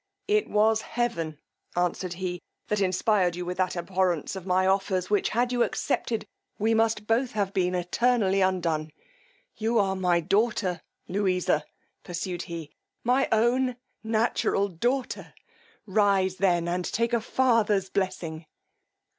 It was heaven, answered he, that inspired you with that abhorrence of my offers, which, had you accepted, we must both have been eternally undone! You are my daughter, Louisa! pursued he, my own natural daughter! Rise then, and take a father's blessing.